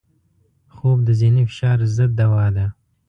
خوب د ذهني فشار ضد دوا ده